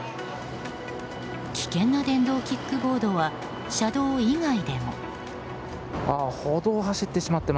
危険な電動キックボードは車道以外でも。